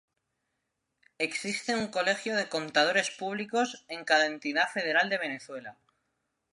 Existe un colegio de contadores públicos en cada entidad federal de Venezuela.